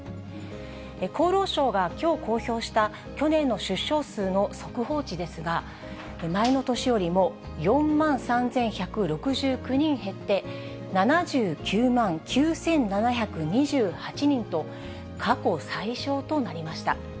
厚労省はきょう公表した去年の出生数の速報値ですが、前の年よりも４万３１６９人減って、７９万９７２８人と、過去最少となりました。